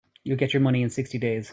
You'll get your money in sixty days.